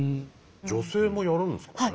女性もやるんですかね。